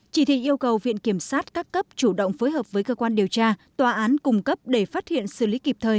chỉ thị yêu cầu viện kiểm sát các cấp chủ động phối hợp với cơ quan điều tra tòa án cung cấp để phát hiện xử lý kịp thời